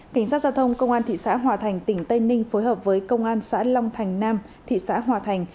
cảnh sát giao thông công an thị xã hòa thành tỉnh tây ninh phối hợp với công an xã long thành nam thị xã hòa thành